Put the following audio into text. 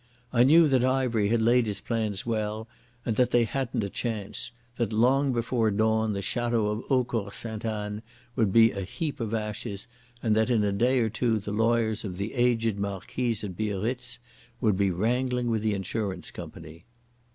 I knew that Ivery had laid his plans well, and that they hadn't a chance—that long before dawn the Château of Eaucourt Sainte Anne would be a heap of ashes and that in a day or two the lawyers of the aged Marquise at Biarritz would be wrangling with the insurance company.